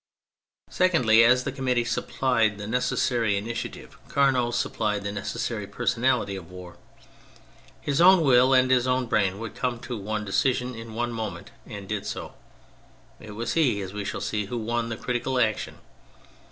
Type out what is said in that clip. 198 THE FRENCH REVOLUTION Secondly, as the Committee supplied the necessary initiative, Carnot supplied the necessary personality of war. His own will and own brain could come to one decision in one moment, and did so. It was he, as we shall see, who won the critical action.